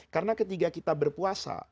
karena ketika kita berpuasa